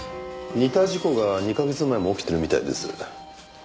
似た事故が２カ月前も起きてるみたいです。